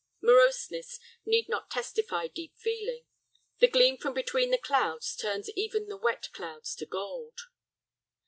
Moroseness need not testify deep feeling. The gleam from between the clouds turns even the wet clouds to gold.